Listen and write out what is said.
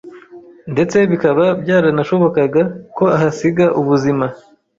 ndetse bikaba byarana shobokaga ko ahasiga ubuzima